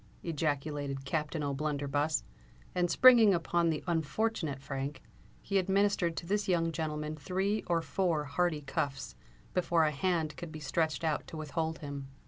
ejaculated Captain O'Blunderbuss; and springing upon the unfortunate Frank, he administered to this young gentleman three or four hearty cuffs, before a hand could be stretched out to withhold him.